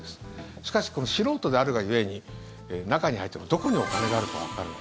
しかし、素人であるが故に中に入ってもどこにお金があるかわからない。